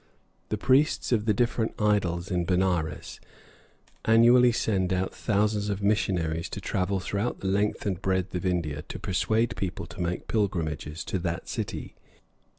The priests of the different idols in Benares annually send out thousands of missionaries to travel throughout the length and breadth of India to persuade people to make pilgrimages to that city.